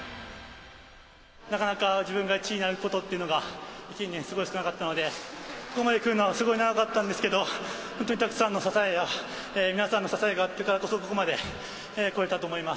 なかなか自分が１位になることっていうのが、近年すごい少なかったので、ここまで来るのはすごい長かったんですけど、本当にたくさんの支えや皆さんの支えがあったからこそここまで来れたと思います。